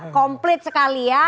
komplit sekali ya